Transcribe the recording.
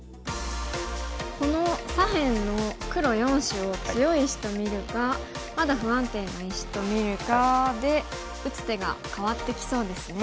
この左辺の黒４子を強い石と見るかまだ不安定な石と見るかで打つ手が変わってきそうですね。